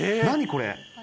何これ？